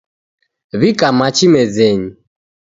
Wika machi mezenyi